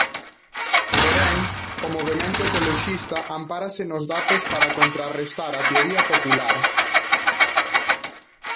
Porén, o movemento ecoloxista ampárase nos datos para contrarrestar a teoría 'popular'.